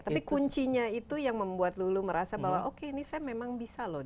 tapi kuncinya itu yang membuat lulu merasa bahwa oke ini saya memang bisa loh